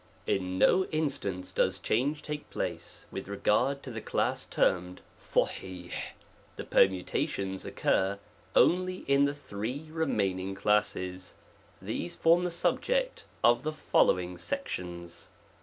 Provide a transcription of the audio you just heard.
IN no instance does change take" place, with re gard to the class termed >; the permutations occur only in the three remaining classes T]bese form the subject of the following 'sections.